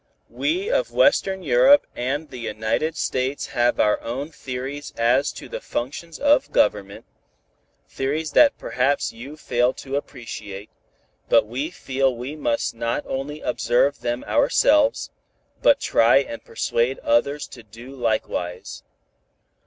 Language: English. We of Western Europe and the United States have our own theories as to the functions of government, theories that perhaps you fail to appreciate, but we feel we must not only observe them ourselves, but try and persuade others to do likewise.